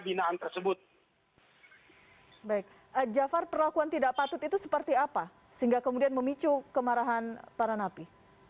baik jafar perlakuan tidak patut itu seperti apa sehingga kemudian memicu kemarahan para napi